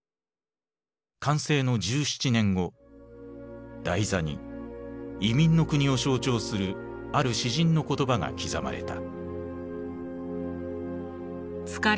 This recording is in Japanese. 完成の１７年後台座に移民の国を象徴するある詩人の言葉が刻まれた。